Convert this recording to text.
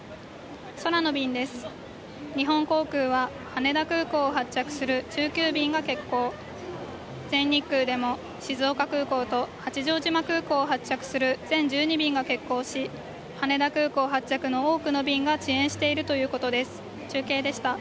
空の便です、日本航空は羽田空港を発着する１９便が欠航、全日空でも静岡空港と八丈島空港を発着する全１２便が欠航し羽田空港発着の多くの便が遅延しているということです。